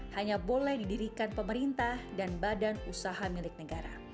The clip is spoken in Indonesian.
hanya boleh didirikan pemerintah dan badan usaha milik negara